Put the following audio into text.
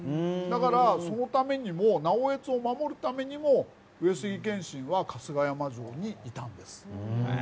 だから、そのためにも直江津を守るためにも上杉謙信は春日山城にいたんです。